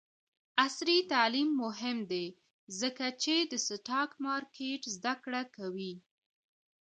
عصري تعلیم مهم دی ځکه چې د سټاک مارکیټ زدکړه کوي.